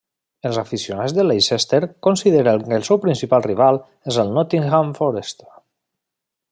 Els aficionats del Leicester consideren que el seu principal rival és el Nottingham Forest.